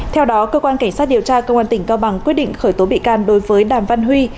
theo đó cơ quan cảnh sát điều tra công an tỉnh cao bằng quyết định khởi tố bị can đối với đàm văn huy